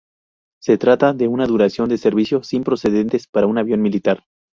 Se trata de una duración de servicio sin precedentes para un avión militar.